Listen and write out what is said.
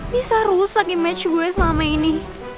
bisa rusak image gue selama ini